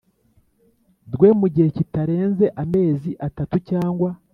Rwe mu gihe kitarenze amezi atatu cyangwa